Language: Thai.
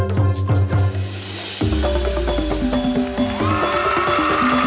เก็มรวบเปลี่ยน